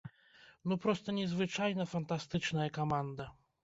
Ну проста незвычайна фантастычная каманда.